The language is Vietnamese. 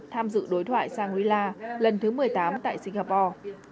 tham dự đối thoại shangri la lần thứ một mươi tám tại singapore